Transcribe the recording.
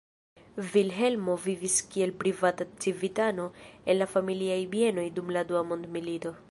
Vilhelmo vivis kiel privata civitano en la familiaj bienoj dum la Dua Mondmilito.